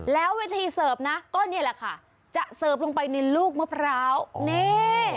แล้ววิธีเสิร์ฟนะก็นี่แหละค่ะจะเสิร์ฟลงไปในลูกมะพร้าวนี่